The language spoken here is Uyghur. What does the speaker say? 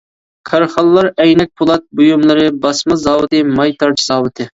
كارخانىلار ئەينەك پولات بۇيۇملىرى باسما زاۋۇتى، ماي تارتىش زاۋۇتى.